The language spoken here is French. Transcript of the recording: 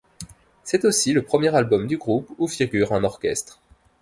C'est aussi le premier album du groupe où figure un orchestre.